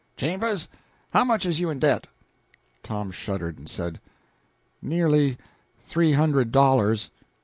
"Chambers, how much is you in debt?" Tom shuddered, and said "Nearly three hundred dollars."